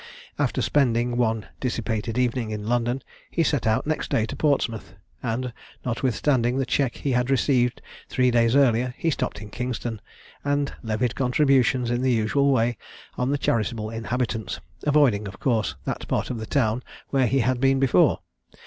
After spending one dissipated evening in London, he set out next day to Portsmouth; and, notwithstanding the check he had received three days earlier, he stopped in Kingston, and levied contributions, in the usual way, on the charitable inhabitants, avoiding, of course, that part of the town where he had been before.